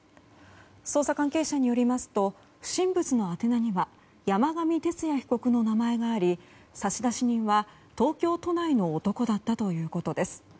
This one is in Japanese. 捜査関係者によりますと不審物の宛名には山上徹也被告の名前があり差出人は東京都内の男だったということです。